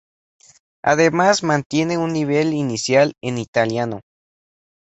Además mantiene un nivel inicial en italiano.